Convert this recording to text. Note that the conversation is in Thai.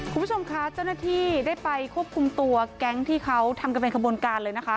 คุณผู้ชมคะเจ้าหน้าที่ได้ไปควบคุมตัวแก๊งที่เขาทำกันเป็นขบวนการเลยนะคะ